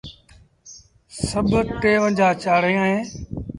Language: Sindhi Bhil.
سڀ ٽيونجھآ چآڙيٚن اهيݩ۔